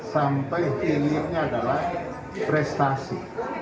sampai hilirnya adalah prestasi